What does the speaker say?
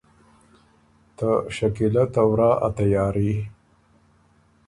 ته شکیلۀ ته ورا ا تیاري